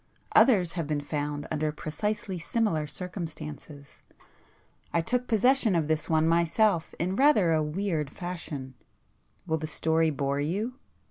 Others have been found under precisely similar circumstances. I took possession of this one myself in rather a weird fashion,—will the story bore you?"